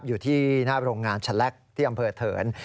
อยู่ที่หน้าโรงงานชะแลกที่อำเภอเถิน